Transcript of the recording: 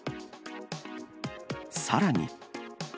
さらに。